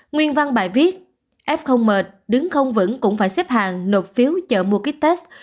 nguyên văn bài viết f mệt đứng không vững cũng phải xếp hàng nộp phiếu chở mua ký test